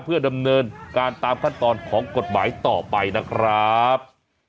เพื่อดำเนินการตามขั้นตอนของกฎหมายต่อไปนะครับ